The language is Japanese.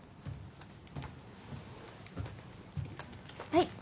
はい。